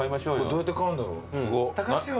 どうやって買うんだろう。